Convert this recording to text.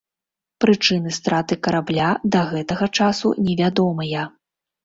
Прычыны страты карабля да гэтага часу невядомыя.